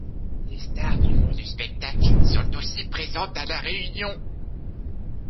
Des stars du monde du spectacle sont aussi présentes à la réunion.